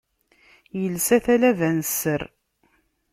Ilsa talaba n sser.